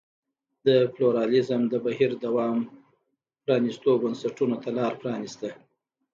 د پلورالېزم د بهیر دوام پرانیستو بنسټونو ته لار پرانېسته.